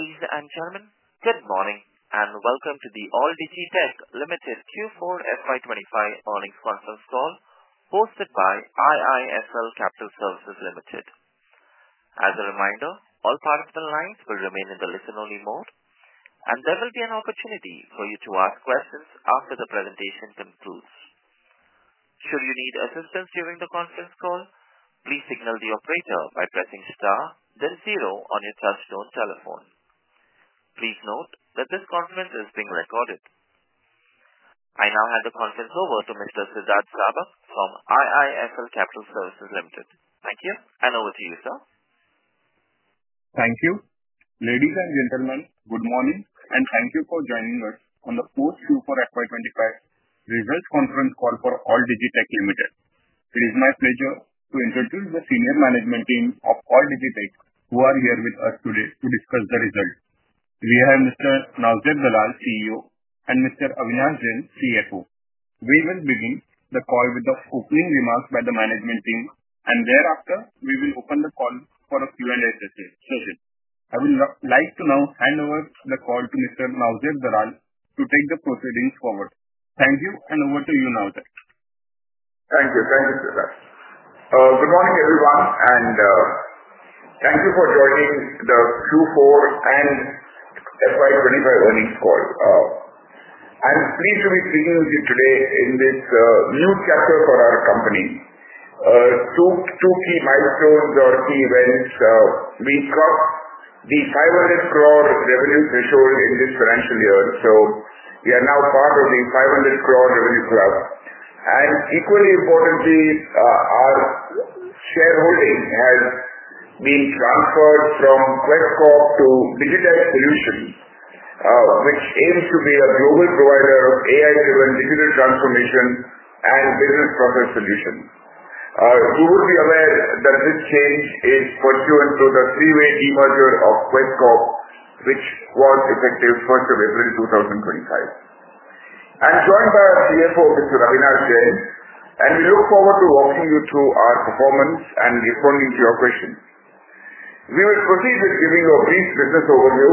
Ladies and gentlemen, good morning and welcome to the Alldigi Tech Naozer Dalal, Q4 FY25 earnings conference call hosted by IIFL Capital Services Limited. As a reminder, all parts of the lines will remain in the listen-only mode, and there will be an opportunity for you to ask questions after the presentation concludes. Should you need assistance during the conference call, please signal the operator by pressing star, then zero on your touchstone telephone. Please note that this conference is being recorded. I now hand the conference over to Mr. Siddharth Zabak from IIFL Capital Services Limited. Thank you, and over to you, sir. Thank you. Ladies and gentlemen, good morning and thank you for joining us on the post Q4 FY25 results conference call for Alldigi Tech Limited. It is my pleasure to introduce the senior management team of Alldigi Tech who are here with us today to discuss the results. We have Mr. Naozer Dalal, CEO, and Mr. Avinash Jain, CFO. We will begin the call with the opening remarks by the management team, and thereafter we will open the call for a Q&A session. I would like to now hand over the call to Mr. Naozer Dalal to take the proceedings forward. Thank you, and over to you, Naozer. Thank you, thank you, Siddharth. Good morning, everyone, and thank you for joining the Q4 and FY2025 earnings call. I'm pleased to be speaking with you today in this new chapter for our company. Two key milestones or key events: we crossed the 500 crore revenue threshold in this financial year, so we are now part of the 500 crore revenue club. Equally importantly, our shareholding has been transferred from Quess Corp to Digitech Solutions, which aims to be a global provider of AI-driven digital transformation and business process solutions. You would be aware that this change is pursuant to the three-way demerger of Quess Corp, which was effective 1 April 2025. I'm joined by our CFO, Mr. Avinash Jain, and we look forward to walking you through our performance and responding to your questions. We will proceed with giving you a brief business overview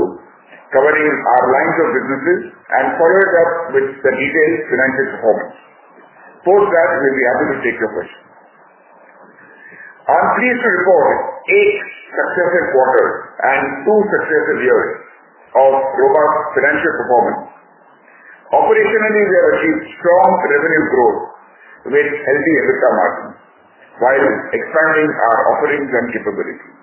covering our lines of businesses and follow it up with the detailed financial performance. Post that, we'll be happy to take your questions. I'm pleased to report eight successive quarters and two successive years of robust financial performance. Operationally, we have achieved strong revenue growth with healthy EBITDA margins while expanding our offerings and capabilities.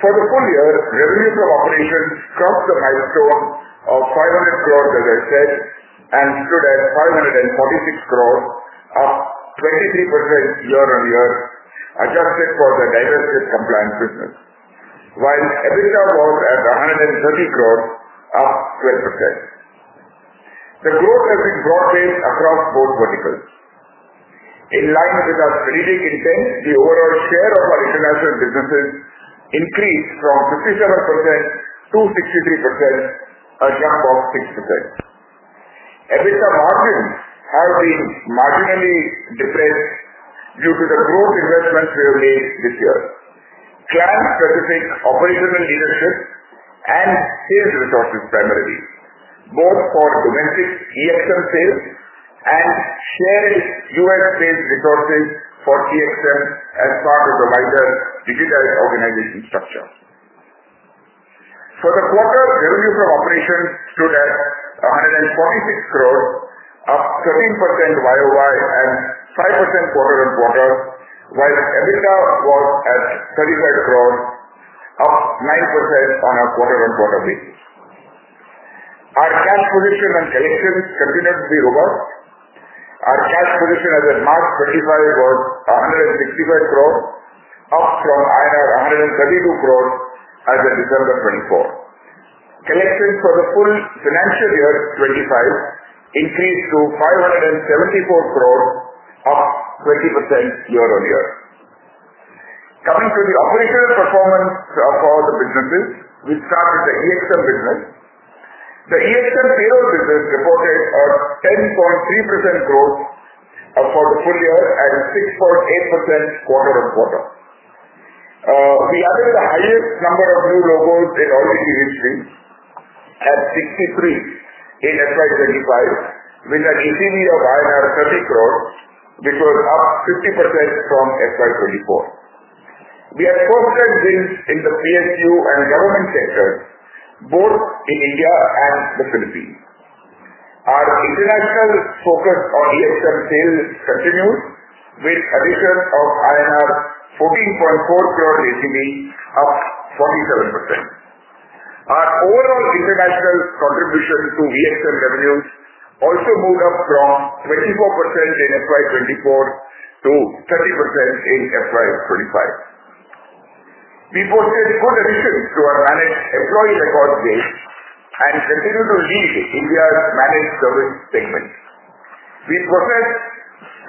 For the full year, revenue from operations crossed the milestone of 500 crore, as I said, and stood at 546 crore, up 23% year-on-year, adjusted for the diversity of compliance business, while EBITDA was at 130 crore, up 12%. The growth has been broad-based across both verticals. In line with our strategic intent, the overall share of our international businesses increased from 57% to 63%, a jump of 6%. EBITDA margins have been marginally depressed due to the growth investments we have made this year. Client-specific operational leadership and sales resources primarily, both for domestic EXM sales and shared US-based resources for EXM as part of the wider Digitech organization structure. For the quarter, revenue from operations stood at 146 crore, up 13% year-on-year and 5% quarter-on-quarter, while EBITDA was at 35 crore, up 9% on a quarter-on-quarter basis. Our cash position and collections continue to be robust. Our cash position as of March 2025 was 165 crore, up from INR 132 crore as of December 2024. Collections for the full financial year 2025 increased to 574 crore, up 20% year-on-year. Coming to the operational performance for the businesses, we will start with the EXM business. The EXM payroll business reported a 10.3% growth for the full year and 6.8% quarter-on-quarter. We added the highest number of new logos in Alldigi history at 63 in FY2025, with an ECV of INR 30 crore, which was up 50% from FY2024. We had first-time wins in the PSU and government sectors, both in India and the Philippines. Our international focus on EXM sales continues with addition of INR 14.4 crore ECV, up 47%. Our overall international contribution to EXM revenues also moved up from 24% in FY2024 to 30% in FY2025. We posted good additions to our managed employee record base and continue to lead India's managed service segment. We possess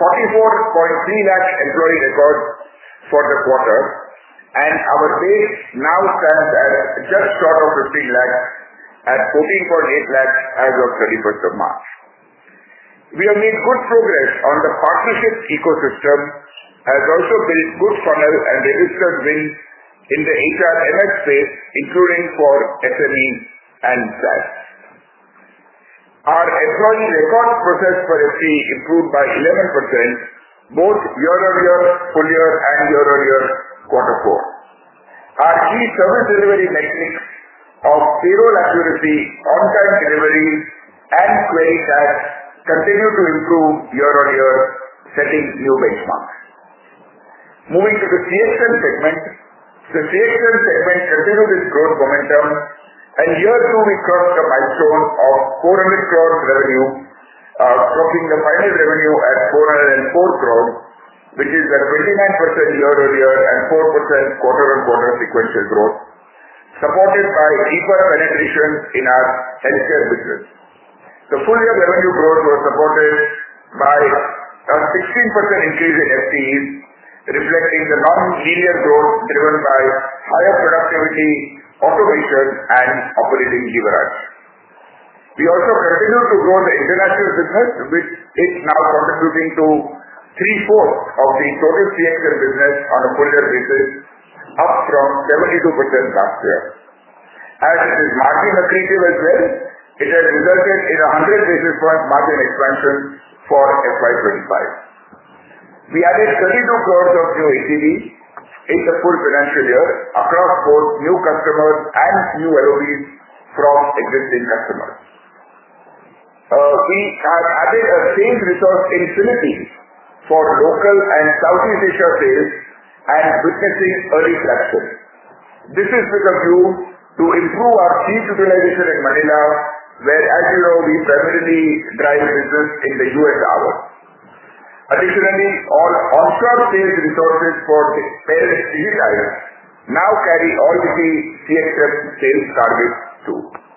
4.43 million employee records for the quarter, and our base now stands at just short of 1.5 million at 1.48 million as of 31st of March. We have made good progress on the partnership ecosystem as well as built good funnel and registered wins in the HR, MS space, including for SMEs and SaaS. Our employee records process for SP improved by 11% both year-on-year, full year, and year-on-year quarter four. Our key service delivery metrics of payroll accuracy, on-time delivery, and query tags continue to improve year-on-year, setting new benchmarks. Moving to the CXM segment, the CXM segment continued its growth momentum, and year two we crossed the milestone of 400 crore revenue, crossing the final revenue at 404 crore, which is a 29% year-on-year and 4% quarter-on-quarter sequential growth, supported by deeper penetrations in our healthcare business. The full year revenue growth was supported by a 16% increase in FTEs, reflecting the non-linear growth driven by higher productivity, automation, and operating leverage. We also continue to grow the international business, which is now contributing to three-fourths of the total CXM business on a full-year basis, up from 72% last year. As it is margin accretive as well, it has resulted in a 100 basis point margin expansion for FY2025. We added 320 million of new ECVs in the full financial year across both new customers and new LOBs from existing customers. We have added a sales resource in the Philippines for local and Southeast Asia sales and witnessing early flexibility. This is with a view to improve our seat utilization in Manila, where, as you know, we primarily drive business in the US hours. Additionally, all on-shore sales resources for the parent Digitech now carry Alldigi CXM sales target too.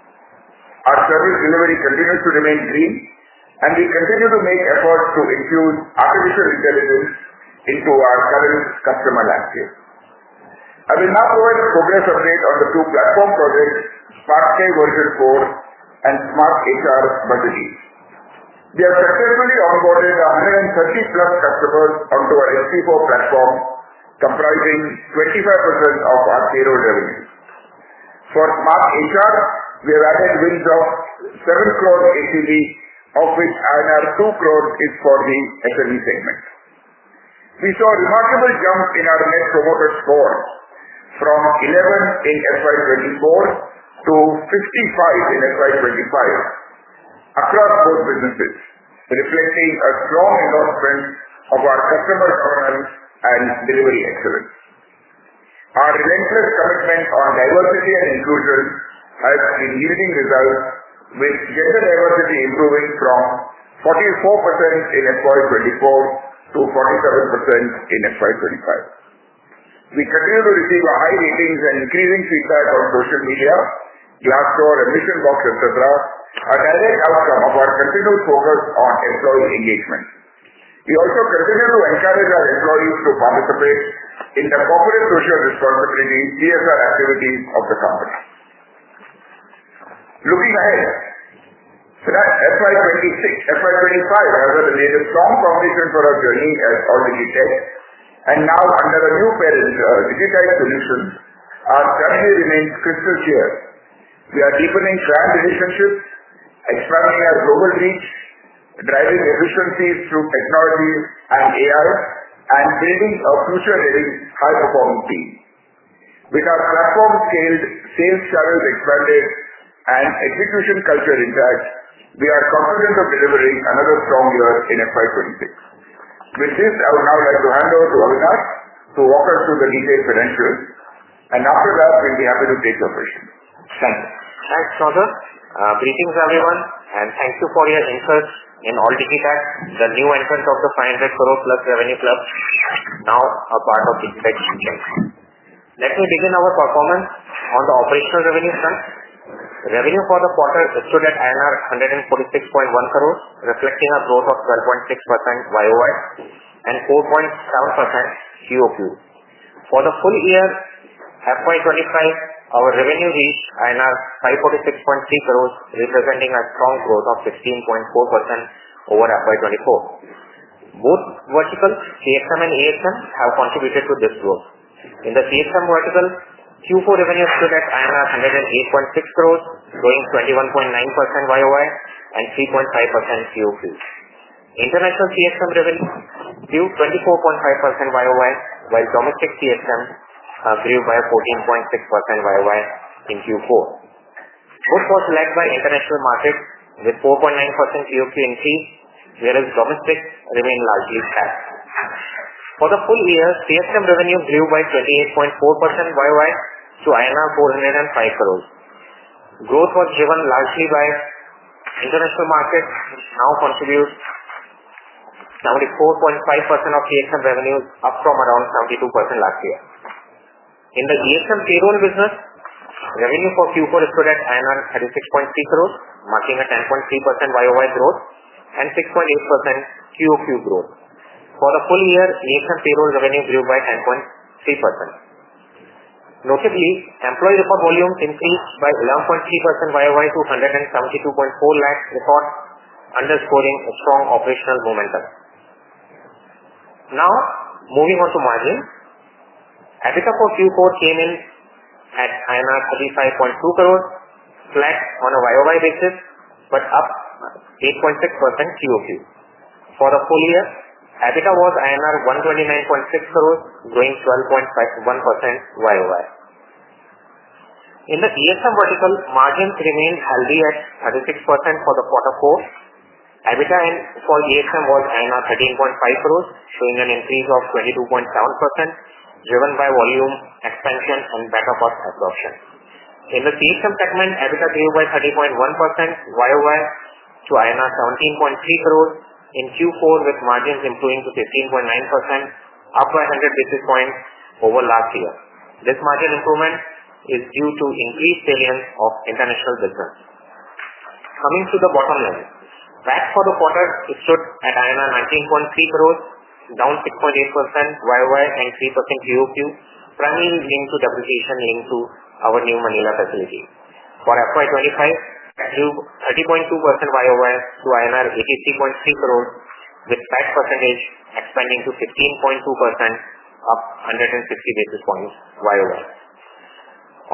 Our service delivery continues to remain green, and we continue to make efforts to infuse artificial intelligence into our current customer landscape. I will now provide a progress update on the two platform projects, SmartPay Version 4 and SmartHR Budgeting. We have successfully onboarded 130 plus customers onto our SP4 platform, comprising 25% of our payroll revenue. For SmartHR, we have added wins of 70,000,000 ECV, of which 20,000,000 is for the SME segment. We saw remarkable jumps in our net promoter score from 11 in FY2024 to 55 in FY2025 across both businesses, reflecting a strong endorsement of our customer governance and delivery excellence. Our relentless commitment on diversity and inclusion has been yielding results, with gender diversity improving from 44% in FY2024 to 47% in FY2025. We continue to receive high ratings and increasing feedback on social media, Glassdoor, and Mission Box, etc., a direct outcome of our continued focus on employee engagement. We also continue to encourage our employees to participate in the corporate social responsibility CSR activities of the company. Looking ahead, FY2025 has had a strong foundation for our journey at Alldigi Tech, and now under the new parent Digitech Solutions, our strategy remains crystal clear. We are deepening client relationships, expanding our global reach, driving efficiencies through technology and AI, and building a future-ready high-performing team. With our platform-scaled sales channels expanded and execution culture intact, we are confident of delivering another strong year in FY2026. With this, I would now like to hand over to Avinash to walk us through the detailed financials, and after that, we'll be happy to take your questions. Thank you. Thanks, Siddharth. Greetings, everyone, and thank you for your interest in Alldigi Tech, the new entrant of the 500 crore plus revenue club, now a part of Digitech's chains. Let me begin our performance on the operational revenue front. Revenue for the quarter stood at INR 146.1 crore, reflecting a growth of 12.6% YOY and 4.7% COQ. For the full year FY 2025, our revenue reached INR 546.3 crore, representing a strong growth of 16.4% over FY 2024. Both verticals, CXM and EXM, have contributed to this growth. In the CXM vertical, Q4 revenue stood at 108.6 crore, growing 21.9% YOY and 3.5% COQ. International CXM revenue grew 24.5% YOY, while domestic CXM grew by 14.6% YOY in Q4. Both were flagged by international markets with 4.9% COQ increase, whereas domestic remained largely flat. For the full year, CXM revenue grew by 28.4% YOY to INR 405 crore. Growth was driven largely by international markets, which now contribute 74.5% of CXM revenue, up from around 72% last year. In the EXM payroll business, revenue for Q4 stood at 36.3 crore, marking a 10.3% YOY growth and 6.8% COQ growth. For the full year, EXM payroll revenue grew by 10.3%. Notably, employee record volume increased by 11.3% YOY to 17.24 million records, underscoring a strong operational momentum. Now, moving on to margins, EBITDA for Q4 came in at 35.2 crore, flat on a YOY basis, but up 8.6% COQ. For the full year, EBITDA was INR 129.6 crore, growing 12.1% YOY. In the EXM vertical, margins remained healthy at 36% for quarter four. EBITDA for EXM was 13.5 crore, showing an increase of 22.7%, driven by volume expansion and backup of absorption. In the CXM segment, EBITDA grew by 30.1% YOY to INR 17.3 crore in Q4, with margins improving to 15.9%, up by 100 basis points over last year. This margin improvement is due to increased salience of international business. Coming to the bottom line, PAT for the quarter stood at 19.3 crore, down 6.8% YOY and 3% QOQ, primarily linked to depreciation linked to our new Manila facility. For FY2025, PAT grew 30.2% YOY to INR 83.3 crore, with PAT percentage expanding to 15.2%, up 160 basis points YOY.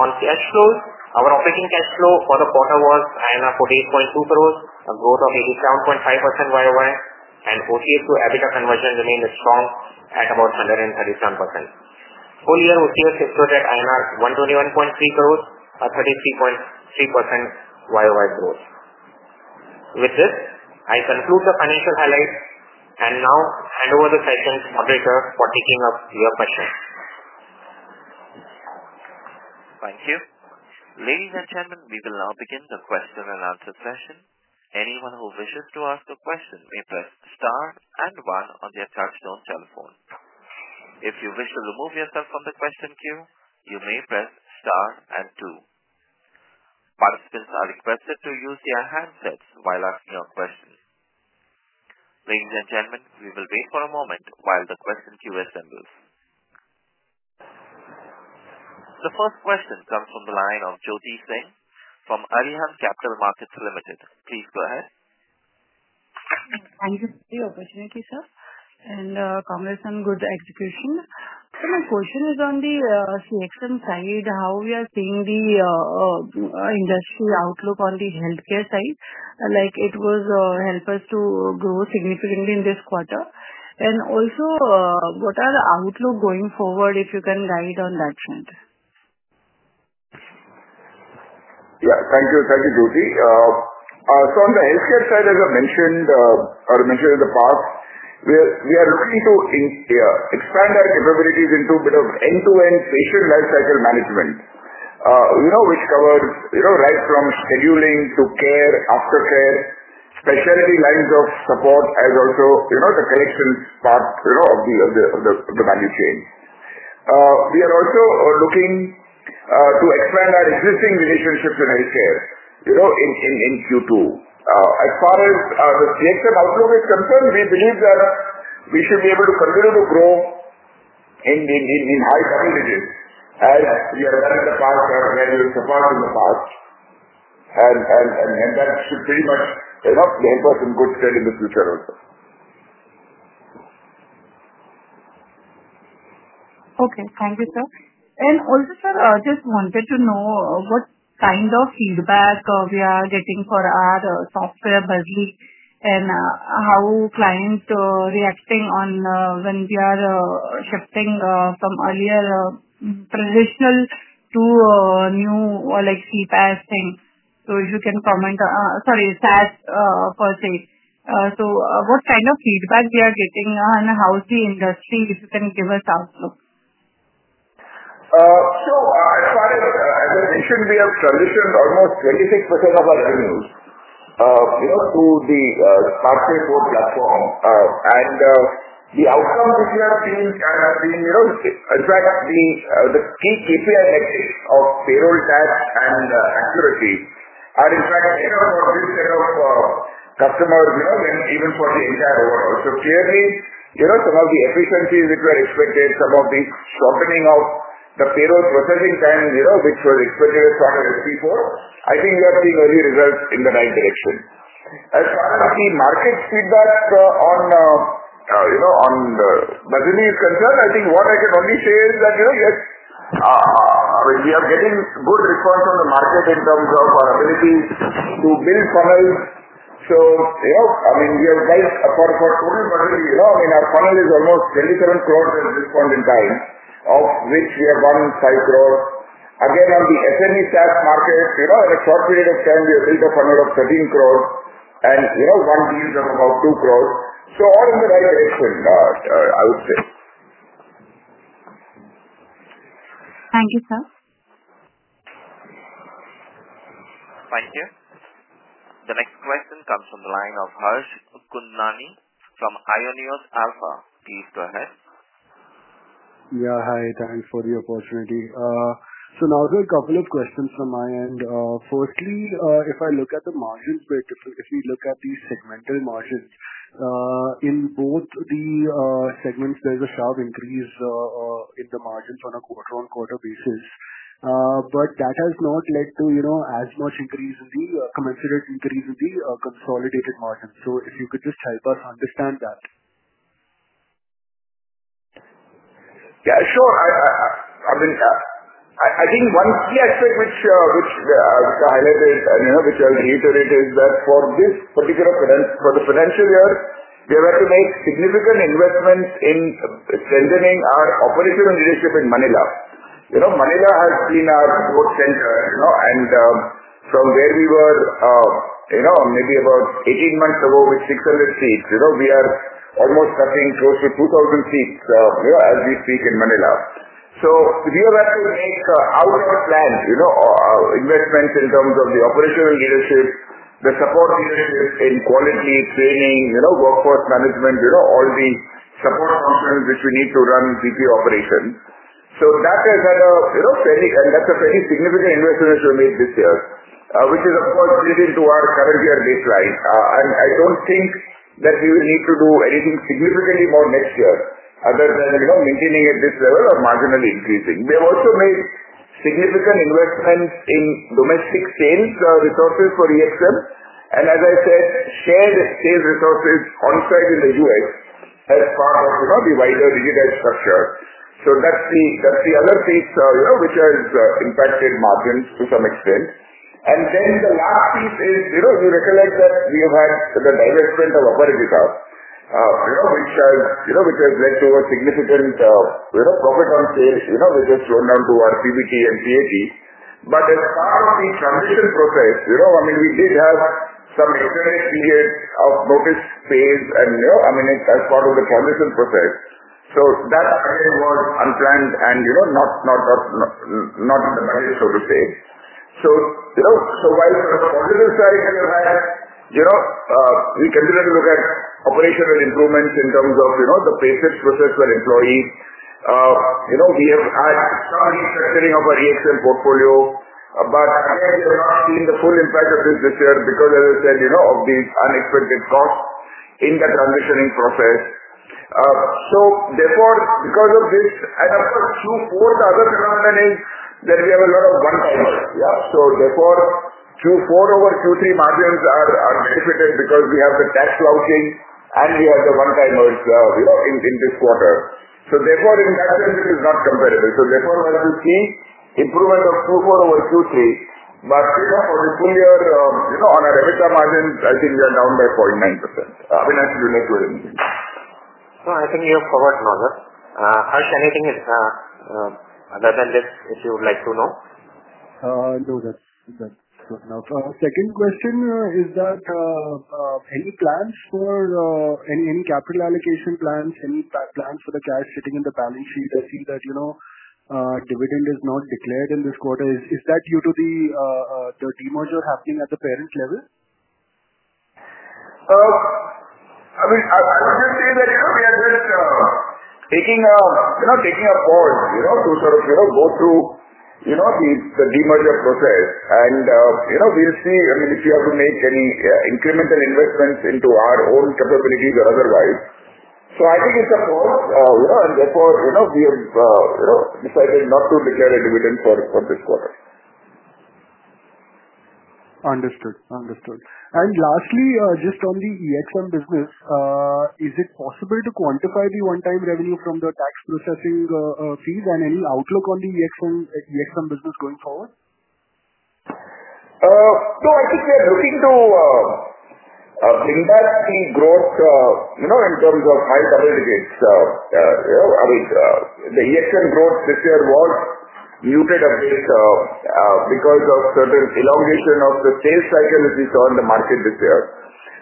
On cash flows, our operating cash flow for the quarter was 48.2 crore, a growth of 87.5% YOY, and OCF to EBITDA conversion remained strong at about 137%. Full year OCF stood at INR 121.3 crore, a 33.3% YOY growth. With this, I conclude the financial highlights and now hand over the session to the moderator for taking up your questions. Thank you. Ladies and gentlemen, we will now begin the question and answer session. Anyone who wishes to ask a question may press star and one on their touchstone telephone. If you wish to remove yourself from the question queue, you may press star and two. Participants are requested to use their handsets while asking your question. Ladies and gentlemen, we will wait for a moment while the question queue assembles. The first question comes from the line of Jyoti Singh from Arihan Capital Markets Limited. Please go ahead. Thank you for the opportunity, sir, and congrats on good execution. My question is on the CXM side, how we are seeing the industry outlook on the healthcare side. Like it was help us to grow significantly in this quarter. Also, what are the outlooks going forward, if you can guide on that front? Yeah, thank you. Thank you, Jyoti. On the healthcare side, as I mentioned or mentioned in the past, we are looking to expand our capabilities into a bit of end-to-end patient lifecycle management, which covers right from scheduling to care, aftercare, specialty lines of support, as also the connection part of the value chain. We are also looking to expand our existing relationships in healthcare in Q2. As far as the CXM outlook is concerned, we believe that we should be able to continue to grow in high percentages as we have done in the past, as we have surpassed in the past, and that should pretty much help us in good stead in the future also. Okay, thank you, sir. Also, sir, I just wanted to know what kind of feedback we are getting for our software budget and how clients are reacting when we are shifting from earlier traditional to new CPaaS thing. If you can comment, sorry, SaaS per se. What kind of feedback we are getting and how's the industry, if you can give us outlook? As far as I mentioned, we have transitioned almost 26% of our revenues through the SmartPay Version 4 platform, and the outcomes which we have seen have been, in fact, the key KPI metrics of payroll, tax, and accuracy are in fact better for this set of customers than even for the entire overall. Clearly, some of the efficiencies which were expected, some of the shortening of the payroll processing time, which was expected as part of SP4, I think we are seeing early results in the right direction. As far as the market feedback on budgeting is concerned, I think what I can only say is that, yes, I mean, we are getting good response from the market in terms of our ability to build funnels. I mean, we have built for total budgeting, I mean, our funnel is almost 27 crore at this point in time, of which we have won 5 crore. Again, on the SME SaaS market, in a short period of time, we have built a funnel of 13 crore and won deals of about 2 crore. All in the right direction, I would say. Thank you, sir. Thank you. The next question comes from the line of Harsh Kundani from Aionios Alpha. Please go ahead. Yeah, hi. Thanks for the opportunity. Now there are a couple of questions from my end. Firstly, if I look at the margins, if we look at these segmental margins, in both the segments, there is a sharp increase in the margins on a quarter-on-quarter basis, but that has not led to as much increase in the commensurate increase in the consolidated margins. If you could just help us understand that. Yeah, sure. I mean, I think one key aspect which I highlighted, which I will reiterate, is that for this particular financial year, we have had to make significant investments in strengthening our operational leadership in Manila. Manila has been our growth center, and from where we were maybe about 18 months ago with 600 seats, we are almost touching close to 2,000 seats as we speak in Manila. We have had to make out-of-plan investments in terms of the operational leadership, the support leadership in quality training, workforce management, all the support functions which we need to run GP operations. That has had a fairly, and that's a fairly significant investment which we made this year, which is, of course, built into our current year baseline. I do not think that we will need to do anything significantly more next year other than maintaining at this level or marginally increasing. We have also made significant investments in domestic sales resources for EXM, and as I said, shared sales resources onsite in the U.S. as part of the wider Digitech structure. That is the other piece which has impacted margins to some extent. The last piece is you recollect that we have had the divestment of Avaregita, which has led to a significant profit on sales, which has flowed down to our PBT and PAT. As part of the transition process, I mean, we did have some extended period of notice pays, and I mean, as part of the transition process. That again was unplanned and not in the budget, so to say. While from the positive side, we have had, we considered to look at operational improvements in terms of the pay slips process for employees. We have had some restructuring of our EXM portfolio, but again, we have not seen the full impact of this this year because, as I said, of these unexpected costs in the transitioning process. Therefore, because of this, and of course, Q4, the other phenomenon is that we have a lot of one-timers. Therefore, Q4 over Q3 margins are benefited because we have the tax lounging and we have the one-timers in this quarter. In that sense, it is not comparable. Therefore, it was the key improvement of Q4 over Q3, but for the full year on our EBITDA margins, I think we are down by 0.9%. I will not relate to anything. No, I think you have covered all that. Harsh, anything other than this if you would like to know? No, that's good enough. Second question is that any plans for any capital allocation plans, any plans for the cash sitting in the balance sheet? I see that dividend is not declared in this quarter. Is that due to the demerger happening at the parent level? I mean, I would just say that we are just taking a pause to sort of go through the demerger process, and we'll see, I mean, if we have to make any incremental investments into our own capabilities or otherwise. I think it's a pause, and therefore, we have decided not to declare a dividend for this quarter. Understood. Understood. Lastly, just on the EXM business, is it possible to quantify the one-time revenue from the tax processing fees and any outlook on the EXM business going forward? No, I think we are looking to dramatically grow in terms of high coverage rates. I mean, the EXM growth this year was muted a bit because of certain elongation of the sales cycle which we saw in the market this year.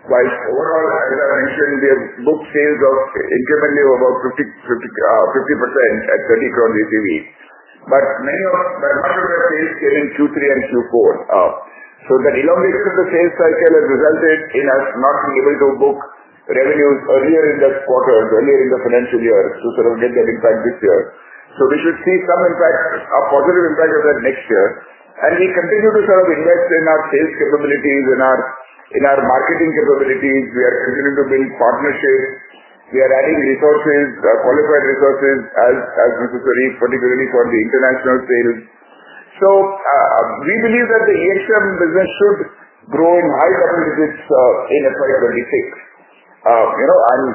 Overall, as I mentioned, we have booked sales incrementally of about 50% at INR 300 million GCV. Most of our sales came in Q3 and Q4. That elongation of the sales cycle has resulted in us not being able to book revenues earlier in the quarters, earlier in the financial year to sort of get that impact this year. We should see some impact, a positive impact of that next year. We continue to sort of invest in our sales capabilities and our marketing capabilities. We are continuing to build partnerships. We are adding resources, qualified resources as necessary, particularly for the international sales. We believe that the EXM business should grow in high capabilities in FY2026,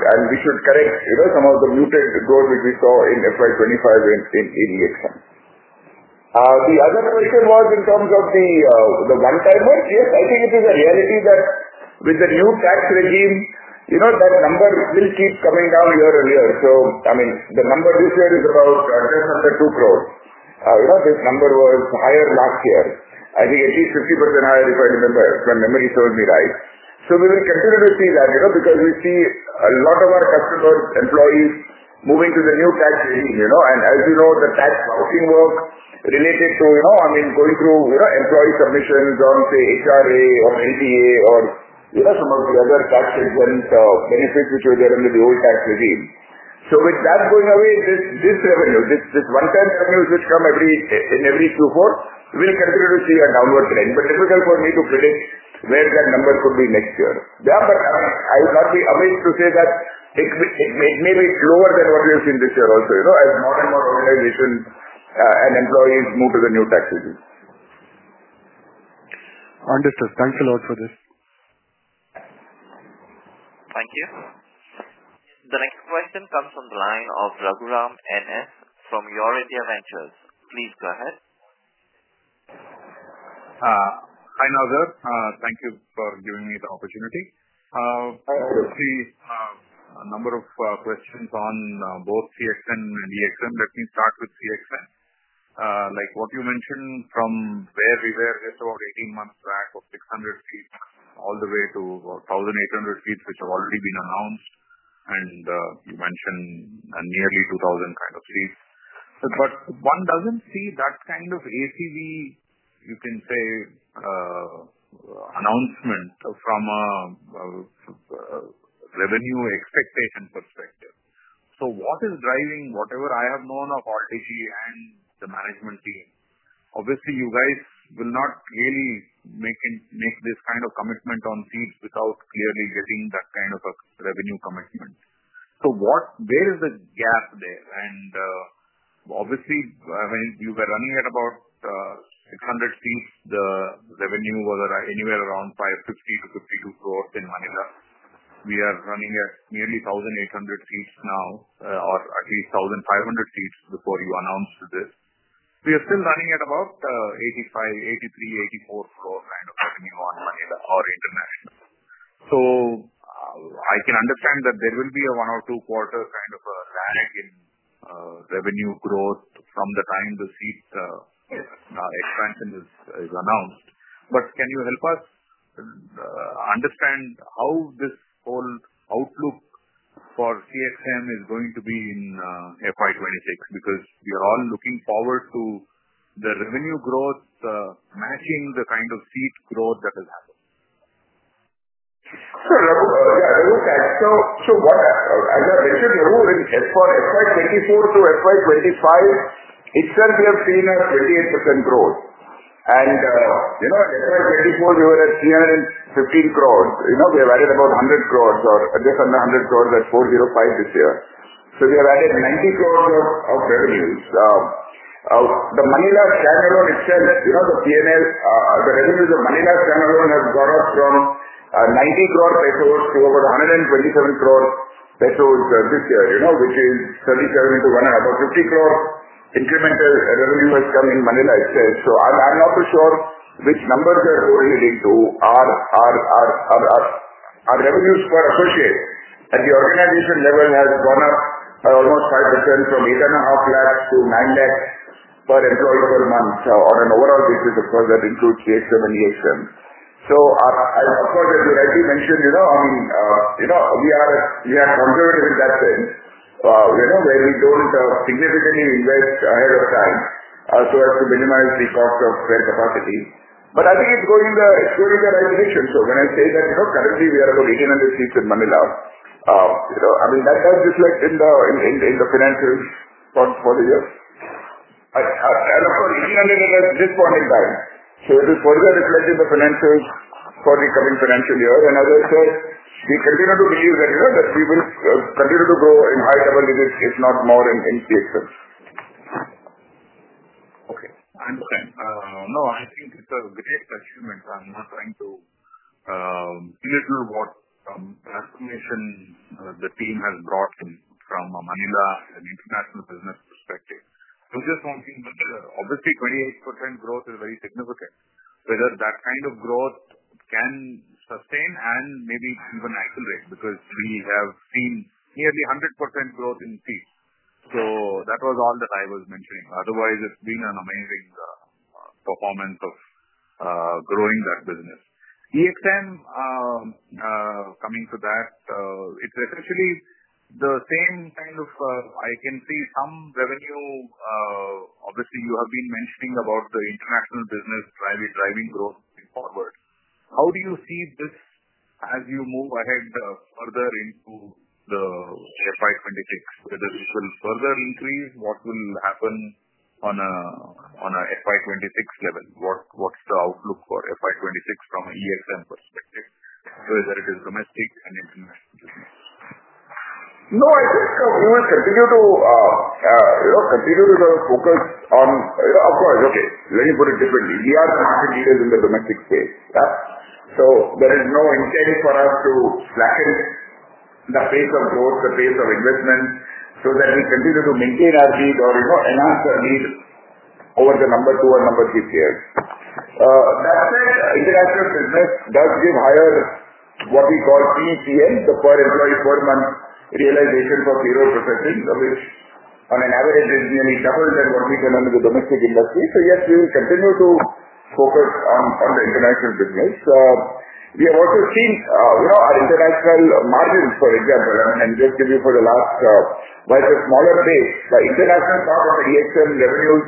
and we should correct some of the muted growth which we saw in FY2025 in EXM. The other question was in terms of the one-timer. Yes, I think it is a reality that with the new tax regime, that number will keep coming down year on year. I mean, the number this year is about just under 2 crore. This number was higher last year. I think at least 50% higher if I remember, if my memory serves me right. We will continue to see that because we see a lot of our customers, employees moving to the new tax regime. As you know, the tax lounging work related to, I mean, going through employee submissions on, say, HRA or LTA or some of the other tax-exempt benefits which were there under the old tax regime. With that going away, this revenue, this one-time revenues which come in every Q4, we will continue to see a downward trend. Difficult for me to predict where that number could be next year. I would not be amazed to say that it may be lower than what we have seen this year also as more and more organizations and employees move to the new tax regime. Understood. Thank you a lot for this. Thank you. The next question comes from the line of Raghuram N. S. from EurIndia Ventures. Please go ahead. Hi now, sir. Thank you for giving me the opportunity. I have a number of questions on both CXM and EXM. Let me start with CXM. Like what you mentioned from where we were just about 18 months back of 600 seats all the way to about 1,800 seats which have already been announced, and you mentioned nearly 2,000 kind of seats. One does not see that kind of ACV, you can say, announcement from a revenue expectation perspective. What is driving whatever I have known of Alldigi and the management team? Obviously, you guys will not really make this kind of commitment on seats without clearly getting that kind of a revenue commitment. Where is the gap there? Obviously, when you were running at about 600 seats, the revenue was anywhere around 50 crore-52 crore in Manila. We are running at nearly 1,800 seats now, or at least 1,500 seats before you announced this. We are still running at about 83 crore-84 crore kind of revenue on Manila or international. I can understand that there will be a one or two quarter kind of a lag in revenue growth from the time the seat expansion is announced. Can you help us understand how this whole outlook for CXM is going to be in FY 2026? We are all looking forward to the revenue growth matching the kind of seat growth that has happened. Sure. Yeah, I will look at it. As I mentioned, we were in FY2024 to FY2025, itself, we have seen a 28% growth. In FY2024, we were at INR 3.15 billion. We have added about 1 billion or just under 1 billion at 4.05 billion this year. We have added 900 million of revenues. The Manila channel on itself, the P&L, the revenues of Manila channel on has gone up from 900 million pesos to about 1.27 billion pesos this year, which is 37 into 1 and about 500 million incremental revenue has come in Manila itself. I'm not too sure which numbers are correlating to our revenues per associate. At the organization level, it has gone up by almost 5% from 850,000 to 900,000 per employee per month on an overall basis, of course, that includes CXM and EXM. Of course, as you rightly mentioned, I mean, we are conservative in that sense where we do not significantly invest ahead of time so as to minimize the cost of fair capacity. I think it is going in the right direction. When I say that currently we are about 1,800 seats in Manila, I mean, that does reflect in the financials for the year. Of course, 1,800 at this point in time. It is further reflecting the financials for the coming financial year. As I said, we continue to believe that we will continue to grow in high capabilities, if not more in CXM. Okay. I understand. No, I think it's a great achievement. I'm not trying to belittle what transformation the team has brought in from a Manila and international business perspective. I'm just wanting to say that obviously, 28% growth is very significant, whether that kind of growth can sustain and maybe even accelerate because we have seen nearly 100% growth in seats. That was all that I was mentioning. Otherwise, it's been an amazing performance of growing that business. EXM, coming to that, it's essentially the same kind of I can see some revenue. Obviously, you have been mentioning about the international business driving growth forward. How do you see this as you move ahead further into the FY2026? Whether it will further increase, what will happen on an FY2026 level? What's the outlook for FY2026 from an EXM perspective, whether it is domestic and international business? No, I think we must continue to sort of focus on, of course, okay, let me put it differently. We are continuing in the domestic space. There is no intent for us to slacken the pace of growth, the pace of investment, so that we continue to maintain our lead or enhance our lead over the number two and number six years. That said, international business does give higher what we call PEPM, the per employee per month realization for serial processing, which on an average is nearly double than what we can under the domestic industry. Yes, we will continue to focus on the international business. We have also seen our international margins, for example. I mean, I'll just give you for the last, while it's a smaller base, the international part of the EXM revenues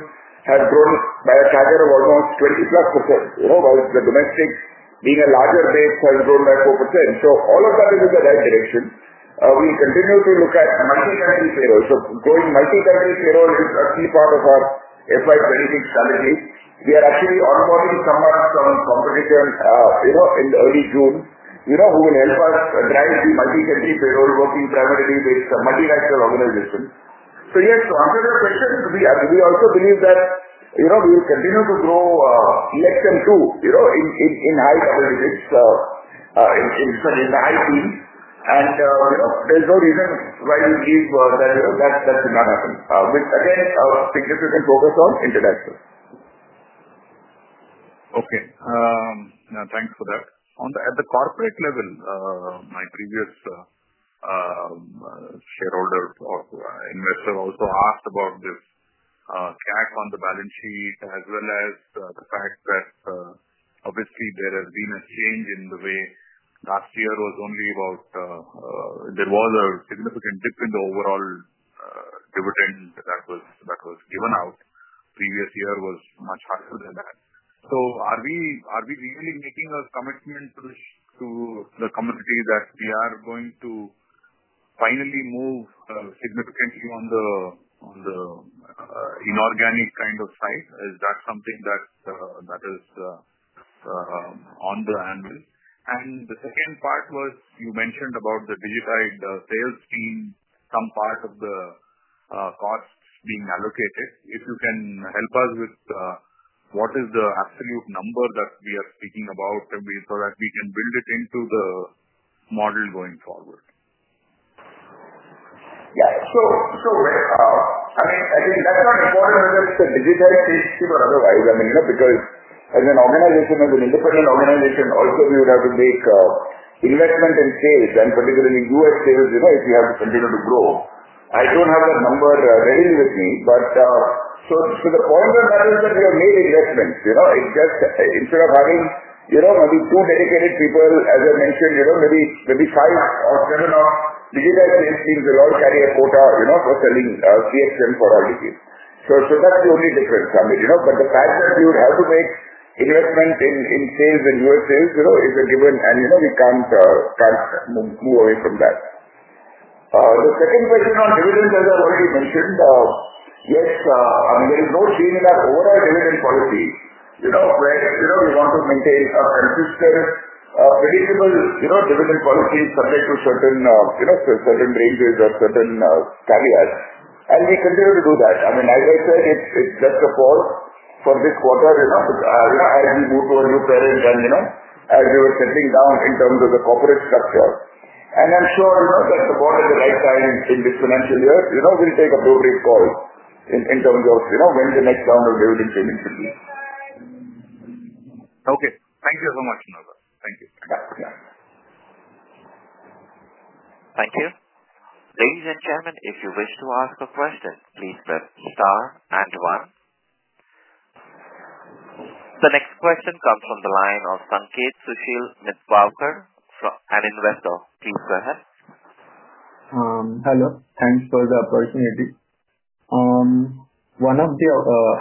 has grown by a stagger of almost 20% plus, while the domestic, being a larger base, has grown by 4%. All of that is in the right direction. We continue to look at multi-country payroll. Growing multi-country payroll is a key part of our FY2026 strategy. We are actually onboarding someone from competition in early June who will help us drive the multi-country payroll, working primarily with multinational organizations. Yes, to answer your question, we also believe that we will continue to grow EXM too in high capabilities, in the high team. There's no reason why we believe that that should not happen, with, again, a significant focus on international. Okay. No, thanks for that. At the corporate level, my previous shareholder or investor also asked about this gap on the balance sheet as well as the fact that obviously there has been a change in the way last year was only about there was a significant dip in the overall dividend that was given out. Previous year was much higher than that. Are we really making a commitment to the community that we are going to finally move significantly on the inorganic kind of side? Is that something that is on the handle? The second part was you mentioned about the digitized sales team, some part of the costs being allocated. If you can help us with what is the absolute number that we are speaking about so that we can build it into the model going forward? Yeah. I mean, again, that's not important whether it's the Digitech sales team or otherwise. I mean, because as an organization, as an independent organization, also we would have to make investment in sales, and particularly U.S. sales, if we have to continue to grow. I don't have that number readily with me. The point of that is that we have made investments. It's just instead of having maybe two dedicated people, as I mentioned, maybe five or seven of Digitech's sales team will all carry a quota for selling CXM for Alldigi. That's the only difference, I mean. The fact that we would have to make investment in sales and U.S. sales is a given, and we can't move away from that. The second question on dividends, as I've already mentioned, yes, I mean, there is no change in our overall dividend policy where we want to maintain a consistent, predictable dividend policy subject to certain ranges or certain caveats. We continue to do that. I mean, as I said, it's just a pause for this quarter as we move to a new parent and as we were settling down in terms of the corporate structure. I'm sure that the board at the right time in this financial year will take appropriate calls in terms of when the next round of dividend payments should be. Okay. Thank you so much, Naozer. Thank you. Thank you. Ladies and gentlemen, if you wish to ask a question, please press star and one. The next question comes from the line of Sankeet Sushil Mithwakar, an investor. Please go ahead. Hello. Thanks for the opportunity. One of the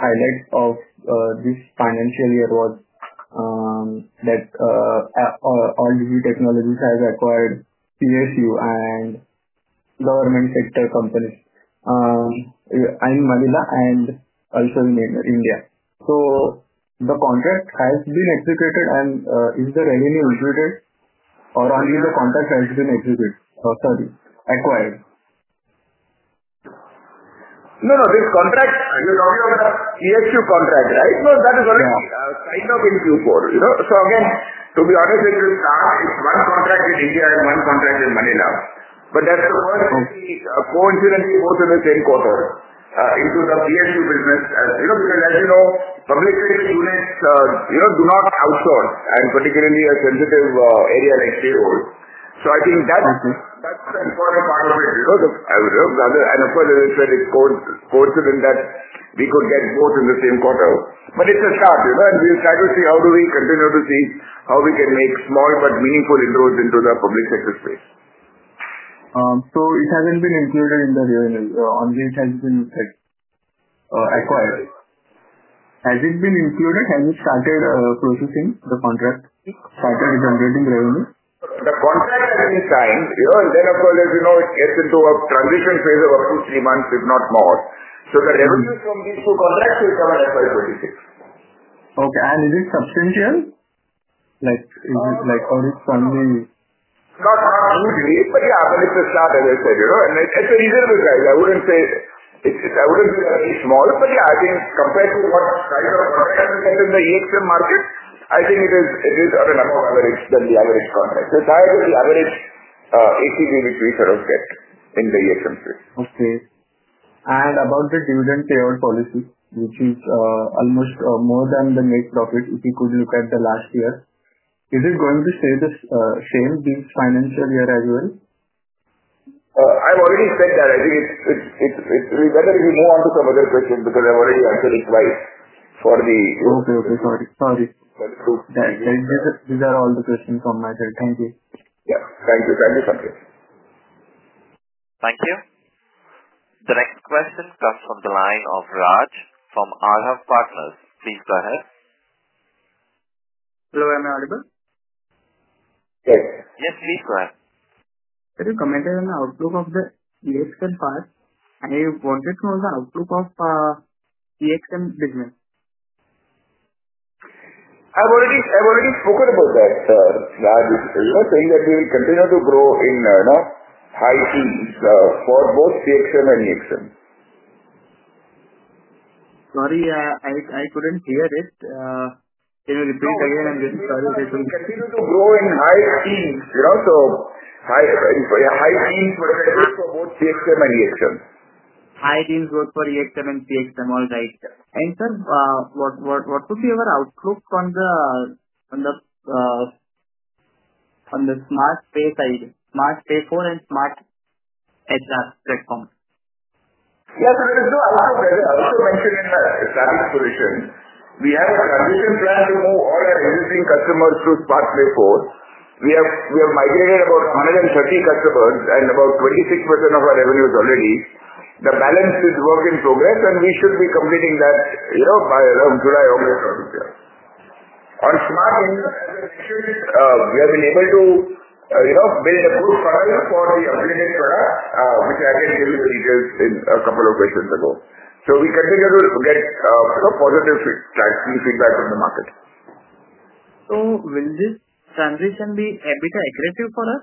highlights of this financial year was that Alldigi Tech has acquired PSU and government sector companies in Manila and also in India. So the contract has been executed and is the revenue executed or only the contract has been executed, sorry, acquired? No, no. This contract, you're talking about the PSU contract, right? That is already kind of in Q4. To be honest, it will start with one contract in India and one contract in Manila. That is the first thing we coincidentally put in the same quarter into the PSU business because, as you know, public sector units do not outsource and particularly a sensitive area like shareholders. I think that's the important part of it. Of course, as I said, it's coincident that we could get both in the same quarter. It's a start, and we'll try to see how we continue to see how we can make small but meaningful inroads into the public sector space. It hasn't been included in the revenue. Only it has been acquired. Has it been included? Have you started processing the contract, started generating revenue? The contract has been signed, and then of course, as you know, it gets into a transition phase of up to three months, if not more. The revenues from these two contracts will come in FY2026. Okay. Is it substantial? Like how is it only? Not hugely, but yeah, I mean, it's a start, as I said. And it's a reasonable size. I wouldn't say it wouldn't be very small, but yeah, I think compared to what kinds of contracts we get in the EXM market, I think it is on a number of average than the average contract. It's higher than the average ACV which we sort of get in the EXM space. Okay. And about the dividend payout policy, which is almost more than the net profit if you could look at the last year, is it going to stay the same this financial year as well? I've already said that. I think it will be better if you move on to some other questions because I've already answered it twice. Okay. Sorry. Thanks. These are all the questions from my side. Thank you. Yeah. Thank you. Thank you, Sankeet. Thank you. The next question comes from the line of Raaj from Ārjav Partners. Please go ahead. Hello. I'm Audible. Yes. Yes, please go ahead. You commented on the outlook of the EXM part, and you wanted to know the outlook of EXM business. I've already spoken about that. I'm saying that we will continue to grow in high teens for both PSM and EXM. Sorry, I couldn't hear it. Can you repeat again? I'm just sorry. We will continue to grow in high teens. So high teens for both CXM and EXM. High teams both for EXM and PSM. All right. Sir, what would be your outlook on the SmartPay side, SmartPay 4 and SmartEdge platform? Yes. There is no outlook. As I also mentioned in the static position, we have a transition plan to move all our existing customers to SmartPay 4. We have migrated about 130 customers and about 26% of our revenues already. The balance is work in progress, and we should be completing that by around July, August, I would say. On SmartPay, as I mentioned, we have been able to build a good funnel for the updated product, which I can give you the details in a couple of questions ago. We continue to get positive feedback from the market. Will this transition be a bit aggressive for us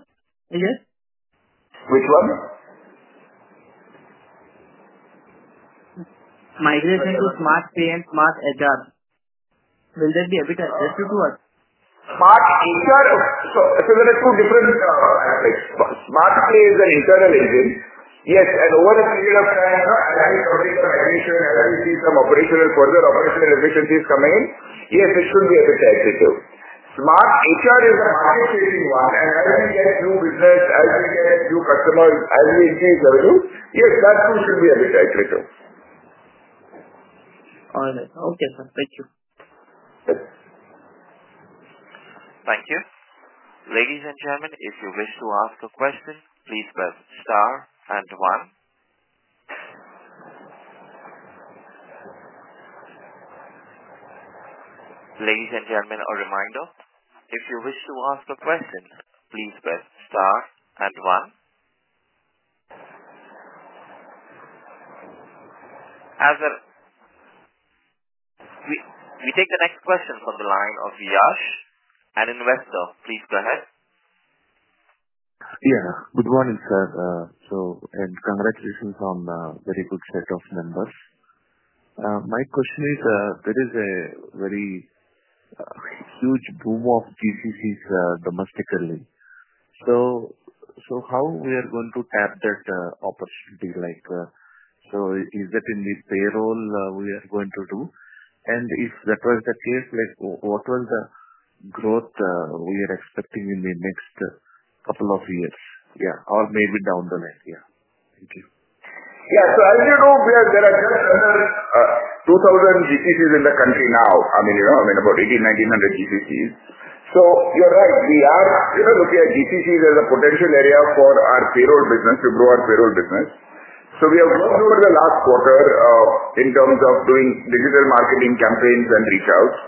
here? Which one? Migration to SmartPay and SmartEdge. Will that be a bit aggressive to us? SmartHR, so there are two different aspects. SmartPay is an internal engine. Yes. Over a period of time, as we complete the migration, as we see some further operational efficiencies coming in, yes, it should be a bit aggressive. SmartHR is a market-facing one. As we get new business, as we get new customers, as we increase revenue, yes, that too should be a bit aggressive. All right. Okay, sir. Thank you. Thank you. Ladies and gentlemen, if you wish to ask a question, please press star and one. Ladies and gentlemen, a reminder. If you wish to ask a question, please press star and one. We take the next question from the line of Yash, an investor. Please go ahead. Yeah. Good morning, sir. And congratulations on a very good set of numbers. My question is, there is a very huge boom of GCCs domestically. How are we going to tap that opportunity? Is that in the payroll we are going to do? If that is the case, what is the growth we are expecting in the next couple of years? Or maybe down the line. Thank you. Yeah. As you know, there are just under 2,000 GCCs in the country now. I mean, about 1,800-1,900 GCCs. You're right. We are looking at GCCs as a potential area for our payroll business to grow our payroll business. We have moved over the last quarter in terms of doing digital marketing campaigns and reach outs.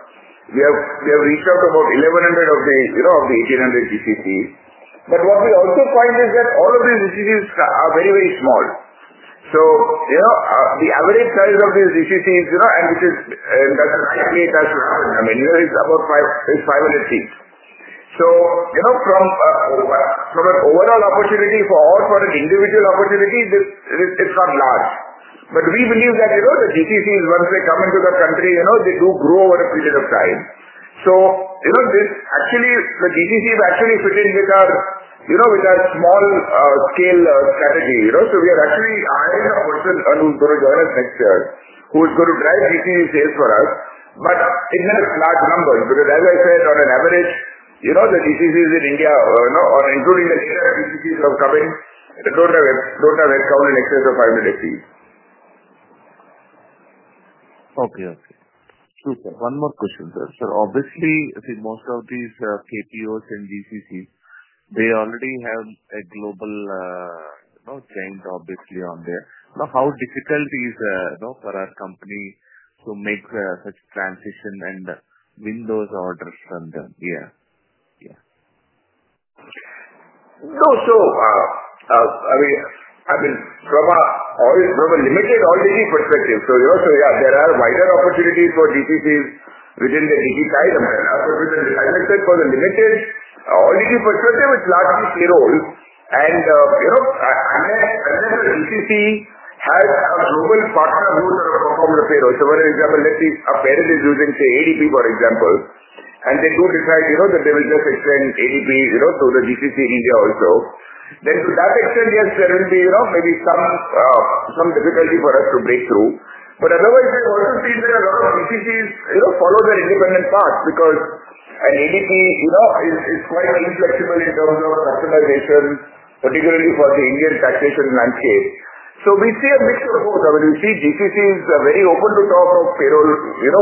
We have reached out to about 1,100 of the 1,800 GCCs. What we also find is that all of these GCCs are very, very small. The average size of these GCCs, and that's a nice way it has to happen, I mean, it's about 500 seats. From an overall opportunity for all, for an individual opportunity, it's not large. We believe that the GCCs, once they come into the country, do grow over a period of time. Actually, the GCCs actually fit in with our small-scale strategy. We are actually hiring a person who's going to join us next year who's going to drive GCC sales for us. It is not a large number because, as I said, on an average, the GCCs in India, including the GCCs that are coming, do not have headcount in excess of 500 seats. Okay. Okay. Okay. One more question, sir. Sir, obviously, I think most of these KPOs and GCCs, they already have a global giant, obviously, on there. Now, how difficult is it for our company to make such a transition and win those orders from them? Yeah. Yeah. No. I mean, from a limited Alldigi perspective, yeah, there are wider opportunities for GCCs within the digitized, as I said. For the limited Alldigi perspective, it's largely payroll. Unless a GCC has a global partner who sort of performs the payroll—for example, let's say a parent is using, say, ADP, for example, and they do decide that they will just extend ADP to the GCC India also—then to that extent, yes, there will be maybe some difficulty for us to break through. Otherwise, we've also seen that a lot of GCCs follow their independent path because an ADP is quite inflexible in terms of customization, particularly for the Indian taxation landscape. We see a mix of both. I mean, we see GCCs are very open to talk of payroll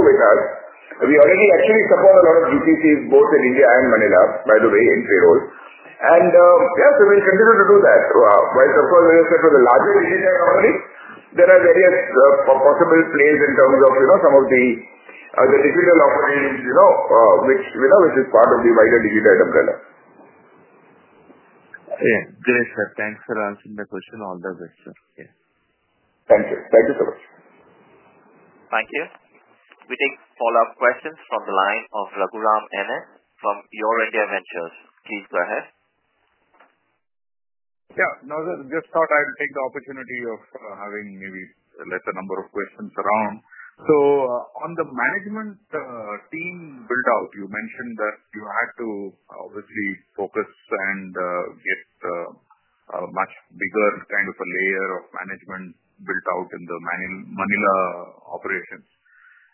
with us. We already actually support a lot of GCCs, both in India and Manila, by the way, in payroll. Yeah, so we'll continue to do that. Whilst, of course, as I said, for the larger digitized companies, there are various possible plays in terms of some of the digital offerings, which is part of the wider digitized umbrella. Okay. Great, sir. Thanks for answering the question. All the best, sir. Yeah. Thank you. Thank you so much. Thank you. We take follow-up questions from the line of Raghuram N. S. from Your India Ventures. Please go ahead. Yeah. No, just thought I'd take the opportunity of having maybe let a number of questions around. On the management team build-out, you mentioned that you had to obviously focus and get a much bigger kind of a layer of management built out in the Manila operations.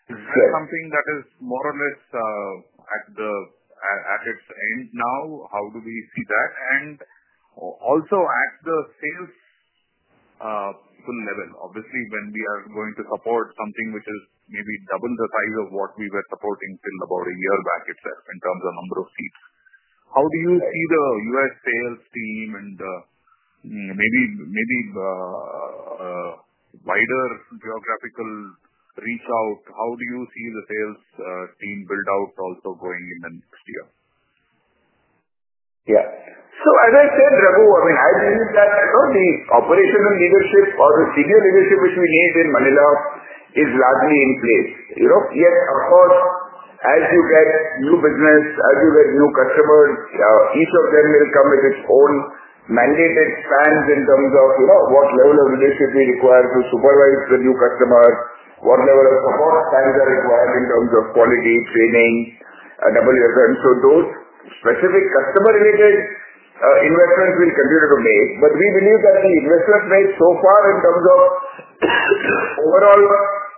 Is that something that is more or less at its end now? How do we see that? Also, at the sales level, obviously, when we are going to support something which is maybe double the size of what we were supporting till about a year back itself in terms of number of seats, how do you see the US sales team and maybe wider geographical reach out? How do you see the sales team build-out also going in the next year? Yeah. As I said, Raghu, I mean, I believe that the operational leadership or the senior leadership which we need in Manila is largely in place. Yet, of course, as you get new business, as you get new customers, each of them will come with its own mandated spans in terms of what level of leadership we require to supervise the new customers, what level of support spans are required in terms of quality, training, and so those specific customer-related investments we'll continue to make. We believe that the investments made so far in terms of overall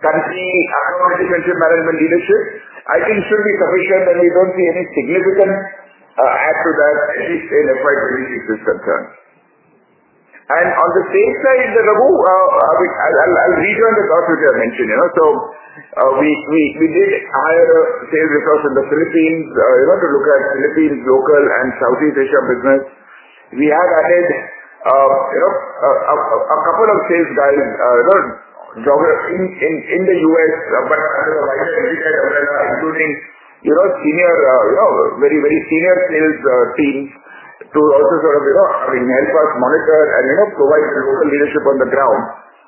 country account leadership and management leadership, I think, should be sufficient, and we do not see any significant add to that, at least in FY2026, is concerned. On the same side, Raghu, I'll rejoin the thoughts which I mentioned. We did hire a sales resource in the Philippines to look at Philippines local and Southeast Asia business. We have added a couple of sales guys in the U.S., but under the wider digitized umbrella, including very, very senior sales teams to also sort of, I mean, help us monitor and provide the local leadership on the ground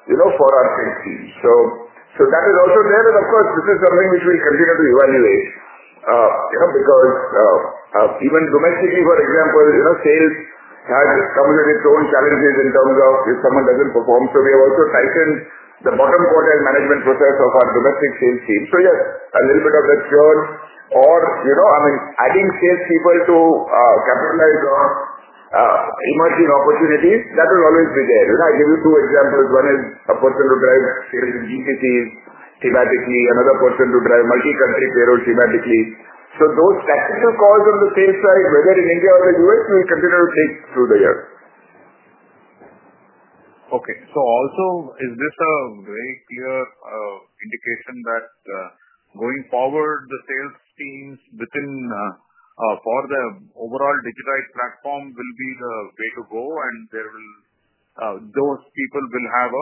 for our sales teams. That is also there. Of course, this is something which we'll continue to evaluate because even domestically, for example, sales has come with its own challenges in terms of if someone doesn't perform. We have also tightened the bottom quarter management process of our domestic sales team. Yes, a little bit of that's grown. Or, I mean, adding salespeople to capitalize on emerging opportunities, that will always be there. I gave you two examples. One is a person who drives sales in GCCs thematically. Another person who drives multi-country payroll thematically. Those tactical calls on the sales side, whether in India or the U.S., we will continue to take through the year. Okay. So also, is this a very clear indication that going forward, the sales teams within for the overall Digitide platform will be the way to go? And those people will have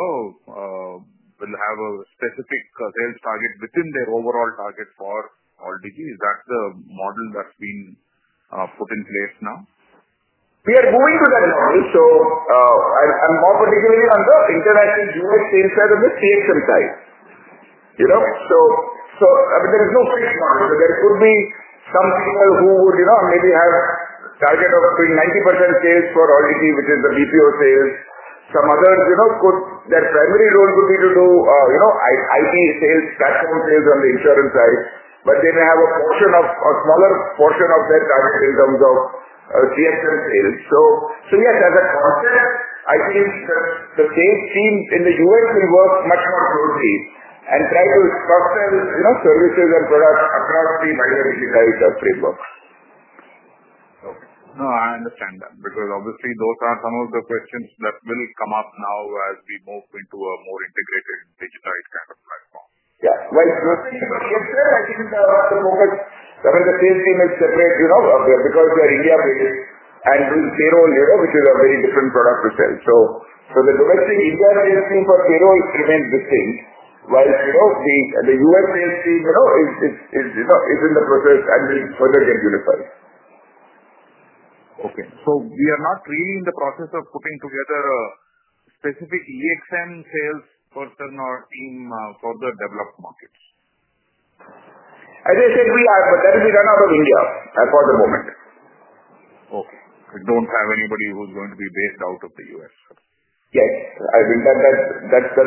a specific sales target within their overall target for Alldigi? Is that the model that's been put in place now? We are moving to that model. I'm more particularly on the international U.S. sales side of the CXM side. I mean, there is no fixed model. There could be some people who would maybe have a target of doing 90% sales for Alldigi, which is the BPO sales. Some others could, their primary role would be to do IT sales, platform sales on the insurance side. They may have a portion, a smaller portion of their target in terms of CXM sales. Yes, as a concept, I think the sales team in the U.S. will work much more closely and try to cross-sell services and products across the wider digitized frameworks. Okay. No, I understand that because obviously, those are some of the questions that will come up now as we move into a more integrated digitized kind of platform. Yeah. Domestically for CXM, I think the focus, I mean, the sales team is separate because they're India-based and doing payroll, which is a very different product to sell. The domestic India sales team for payroll remains distinct, while the US sales team is in the process and will further get unified. Okay. So we are not really in the process of putting together a specific EXM salesperson or team for the developed markets? As I said, we are, but that will be done out of India for the moment. Okay. We do not have anybody who is going to be based out of the U.S., sir. Yes. I believe that's the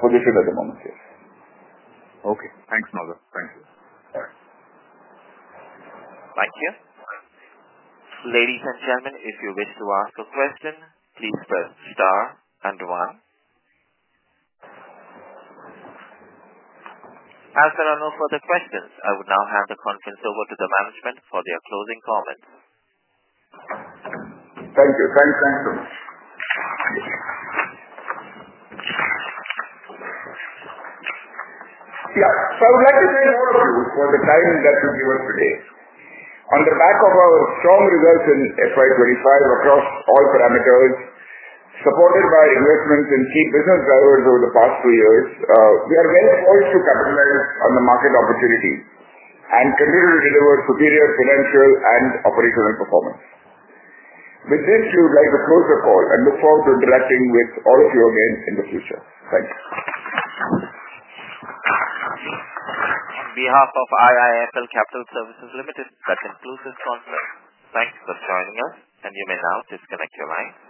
position at the moment. Yes. Okay. Thanks, Naozer. Thank you. Bye. Thank you. Ladies and gentlemen, if you wish to ask a question, please press star and one. As there are no further questions, I will now hand the conference over to the management for their closing comments. Thank you. Thanks. Thanks so much. Yeah. So I would like to thank all of you for the time that you've given us today. On the back of our strong results in FY 2025 across all parameters, supported by investments in key business drivers over the past two years, we are well poised to capitalize on the market opportunity and continue to deliver superior financial and operational performance. With this, we would like to close the call and look forward to interacting with all of you again in the future. Thank you. On behalf of IIFL Capital Services Limited, that concludes this conference. Thanks for joining us, and you may now disconnect your line.